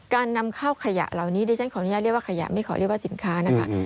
การนำเข้าขยะเหล่านี้ดิฉันขออนุญาตเรียกว่าขยะไม่ขอเรียกว่าสินค้านะคะ